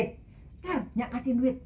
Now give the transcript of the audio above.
tidak ada duit